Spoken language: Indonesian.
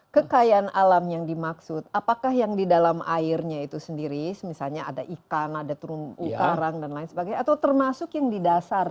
kekayaan alam yang dimaksud apakah yang di dalam airnya itu sendiri misalnya ada ikan ada terumbu karang dan lain sebagainya atau termasuk yang di dasar